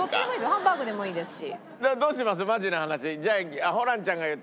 ハンバーグでもいいですし。